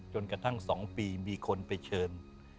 จนกระทั่ง๒ปีมีคนไปเชิญ